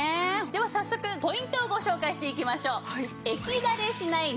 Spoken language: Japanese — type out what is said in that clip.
では早速ポイントをご紹介していきましょう。